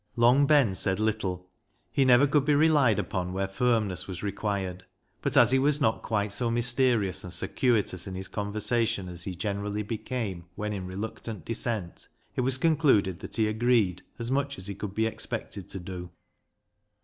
Long Ben said little. He never could be relied upon where firmness was required ; but as he was not quite so mysterious and circuitous in his conversation as he generally became when in reluctant dissent, it was concluded that he agreed as much as he could be expected to do.